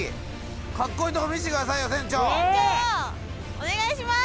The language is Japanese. お願いします。